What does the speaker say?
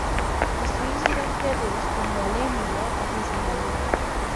مصنوعي ځیرکتیا د ریښتینولۍ معیار اغېزمنوي.